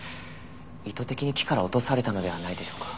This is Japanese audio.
意図的に木から落とされたのではないでしょうか？